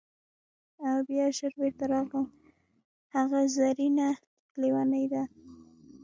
او بیا ژر بیرته راغی: هغه زرینه لیونۍ ده!